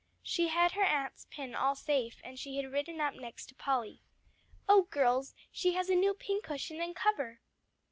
She had her aunt's pin all safe, and she had ridden up next to Polly. "Oh girls, she has a new pincushion and cover."